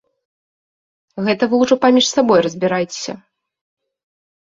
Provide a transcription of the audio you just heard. Гэта вы ўжо паміж сабой разбірайцеся.